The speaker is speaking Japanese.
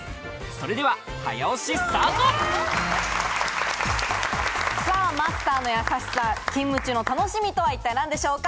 それでは早押しスタートさぁマスターの優しさ勤務中の楽しみとは一体何でしょうか？